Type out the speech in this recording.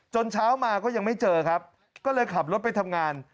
เช้ามาก็ยังไม่เจอครับก็เลยขับรถไปทำงาน